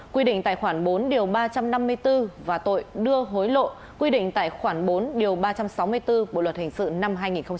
quy định tài khoản bốn điều ba trăm năm mươi bốn và tội đưa hối lộ quy định tại khoản bốn điều ba trăm sáu mươi bốn bộ luật hình sự năm hai nghìn một mươi năm